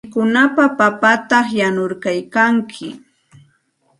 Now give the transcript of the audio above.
Mikunankupaq papata yanuykalkanki.